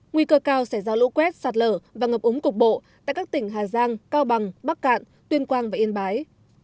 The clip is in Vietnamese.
nguy cơ cao sẽ ra lũ quét sạt lở và ngập úng cục bộ tại các tỉnh hà giang cao bằng bắc cạn tuyên quang và yên bái